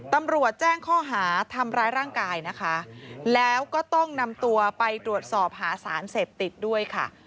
ตำรวจแจ้งข้อหาทำร้ายร่างกายนะคะแล้วก็ต้องนำตัวไปตรวจสอบหาสารเสพติดด้วยค่ะ